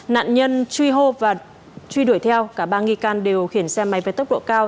nạn nhân truy hô và truy đuổi theo cả ba nghi can đều khiển xe máy với tốc độ cao